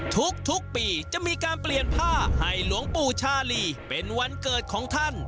ทุกปีจะมีการเปลี่ยนผ้าให้หลวงปู่ชาลีเป็นวันเกิดของท่าน